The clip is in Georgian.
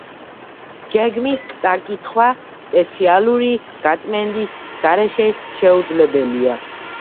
გეგმის წაკითხვა სპეციალური გაწმენდის გარეშე შეუძლებელია.